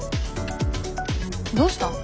どうしたん？